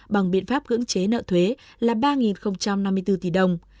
bằng biện pháp cưỡng chế nợ thuế là ba năm mươi bốn tỷ đồng